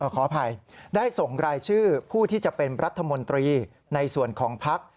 ขออภัยได้ส่งรายชื่อผู้ที่จะเป็นรัฐมนตรีในส่วนของพัก